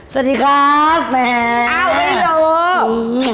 สวัสดีครับแม่อ้าวเฮ้ยลูก